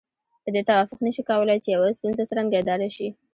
په دې توافق نشي کولای چې يوه ستونزه څرنګه اداره شي.